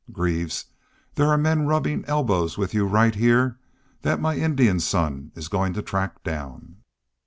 Greaves, there are men rubbin' elbows with you right heah that my Indian son is goin' to track down!'"